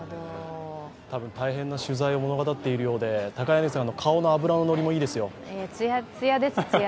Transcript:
多分、大変な取材を物語っているようで高柳さんの脂ののりもいいですよ。